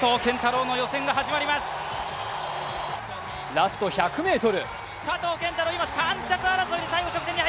ラスト１００ｍ。